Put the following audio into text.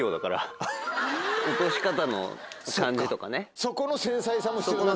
落とし方の感じとかね。